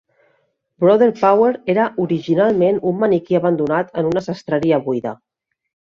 Brother Power era originalment un maniquí abandonat en una sastreria buida.